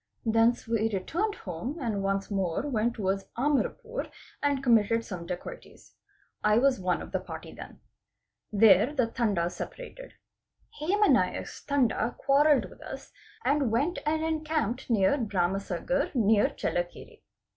Thence we returned home and once more went towards Amarapur and committed some dacoities. I was one of the party then. There the Tandas separated. Hema Naik's Tanda quarrelled with us and went and encamped near Bharamsagar near Chellakere.